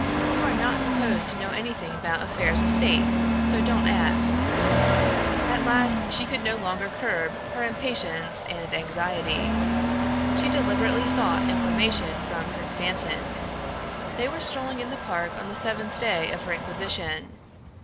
"You are not supposed to know anything about affairs of state. So don't ask." At last she no longer could curb her impatience and anxiety. She deliberately sought information from Prince Dantan. They were strolling in the park on the seventh day of her inquisition.